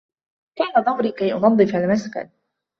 كان دوري كي أنظف المسكن